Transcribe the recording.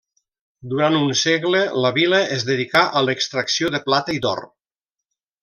Durant un segle la vila es dedicà a l'extracció de plata i d'or.